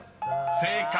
［正解。